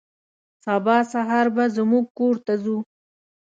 سبا سهار به زموږ کور ته ځو.